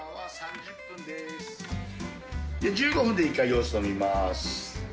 １５分で一回様子を見ます。